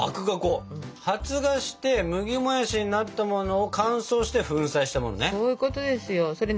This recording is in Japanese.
発芽して「麦もやし」になったものを乾燥して粉砕したものね？